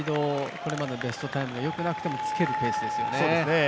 これまでのベストタイムがよくなくてもつけるペースですよね。